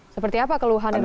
seperti apa keluhan di dokter